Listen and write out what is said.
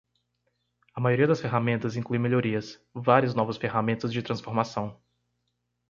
A maioria das ferramentas inclui melhorias, várias novas ferramentas de transformação.